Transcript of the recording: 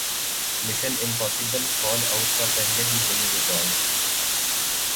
mission impossible fallout کا پہلے ہی دن ریکارڈ